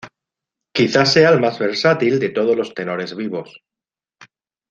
Quizá sea el más versátil de todos los tenores vivos.